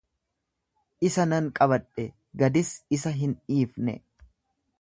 isa nan qabadhe, gadis isa hin dhiifne;